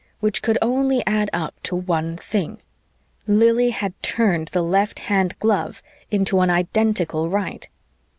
Which could only add up to one thing: Lili had turned the left hand glove into an identical right.